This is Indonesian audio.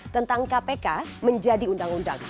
tentang kpk menjadi undang undang